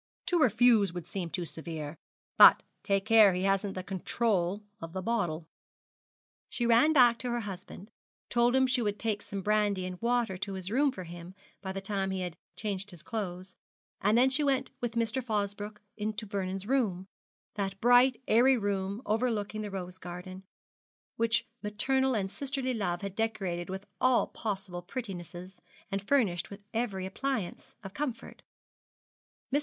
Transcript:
To refuse would seem too severe. But take care he hasn't the control of the bottle.' She ran back to her husband, told him she would take some brandy and water to his room for him by the time he had hanged his clothes, and then she went with Mr. Fosbroke to Vernon's room, that bright airy room overlooking the rose garden, which maternal and sisterly love had decorated with all possible prettinesses, and furnished with every appliance of comfort. Mr.